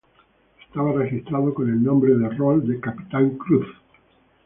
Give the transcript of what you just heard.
Estaba registrado con el nombre de rol de "Capitán Cruz".